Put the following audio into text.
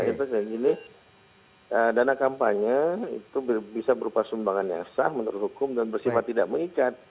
kita kayak gini dana kampanye itu bisa berupa sumbangan yang sah menurut hukum dan bersifat tidak mengikat